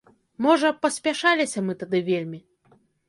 Можа, паспяшаліся мы тады вельмі.